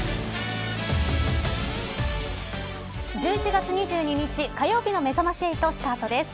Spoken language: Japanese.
１１月２２日火曜日のめざまし８、スタートです。